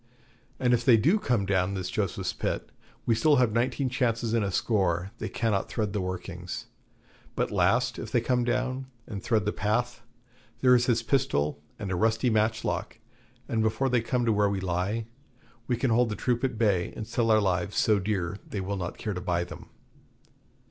And if they do come down this Joseph's Pit, we still have nineteen chances in a score they cannot thread the workings. But last, if they come down, and thread the path, there is this pistol and a rusty matchlock; and before they come to where we lie, we can hold the troop at bay and sell our lives so dear they will not care to buy them.'